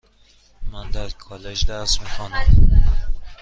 من در کالج درس میخوانم.